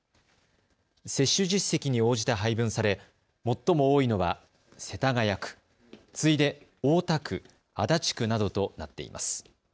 接種実績に応じて配分され最も多いのは世田谷区、次いで大田区、足立区などとなっています。